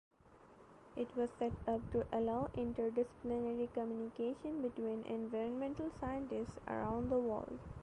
It was set up to allow interdisciplinary communication between environmental scientists around the world.